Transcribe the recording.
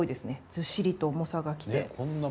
ずっしりと重さがきて。